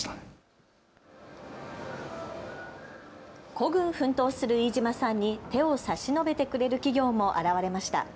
孤軍奮闘する飯島さんに手を差し伸べてくれる企業も現れました。